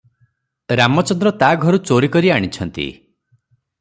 ରାମଚନ୍ଦ୍ର ତା ଘରୁ ଚୋରି କରି ଆଣିଛନ୍ତି ।